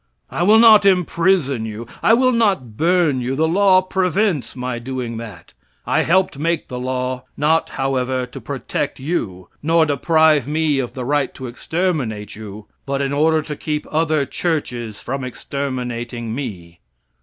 I will not imprison you. I will not burn you. The law prevents my doing that. I helped make the law, not, however, to protect you, nor deprive me of the right to exterminate you, but in order to keep other churches from exterminating me."